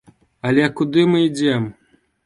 Але куды мы ідзём?